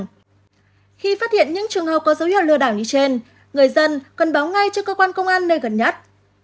khi phát hiện những trường hợp có dấu hiệu lừa đảo như trên người dân cần báo ngay cho cơ quan công an nơi gần nhất